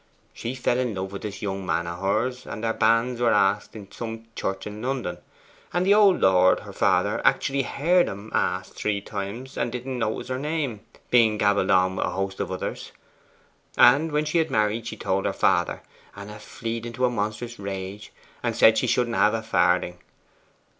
She fell in love with this young man of hers, and their banns were asked in some church in London; and the old lord her father actually heard 'em asked the three times, and didn't notice her name, being gabbled on wi' a host of others. When she had married she told her father, and 'a fleed into a monstrous rage, and said she shouldn' hae a farthing.